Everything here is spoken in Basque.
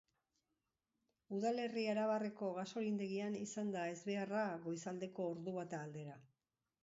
Udalerri arabarreko gasolindegian izan da ezbeharra goizaldeko ordubata aldera.